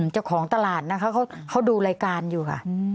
เจ้าของตลาดนะคะเขาดูรายการอยู่ค่ะ